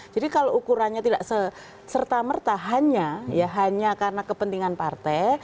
jadi kalau ukurannya tidak serta merta hanya karena kepentingan partai